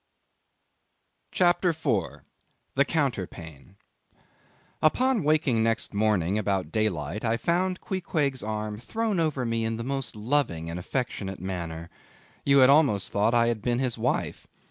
CHAPTER 4. The Counterpane. Upon waking next morning about daylight, I found Queequeg's arm thrown over me in the most loving and affectionate manner. You had almost thought I had been his wife.